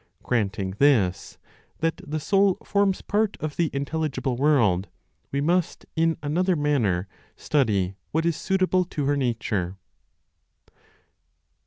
Granting this, that the soul forms part of the intelligible world, we must, in another manner, study what is suitable to her nature.